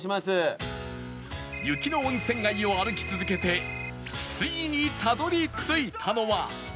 雪の温泉街を歩き続けてついにたどり着いたのは